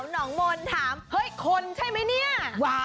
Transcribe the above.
เฮ้ยคนใช่ไหมเนี่ย